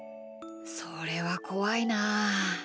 それはこわいなあ。